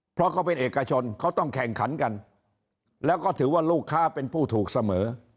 เพราะเขาเป็นเอกชนเขาต้องแข่งขันกันแล้วก็ถือว่าลูกค้าเป็นผู้ถูกเสมอ